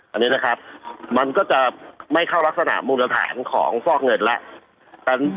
อันนี้นะครับมันก็จะไม่เข้ารักษณะมูลฐานของฟอกเงินแล้ว